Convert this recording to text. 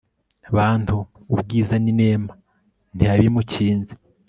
bantu, ubwiza n'inema ntiyabimukinze